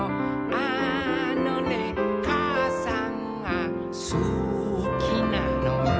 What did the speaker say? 「あのねかあさんがすきなのよ」